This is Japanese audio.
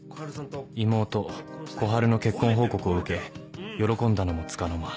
妹小春の結婚報告を受け喜んだのもつかの間